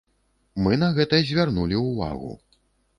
Мы на гэта звярнулі ўвагу.